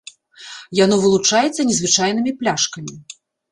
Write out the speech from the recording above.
Яно вылучаецца незвычайнымі пляшкамі.